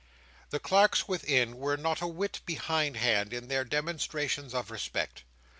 The clerks within were not a whit behind hand in their demonstrations of respect.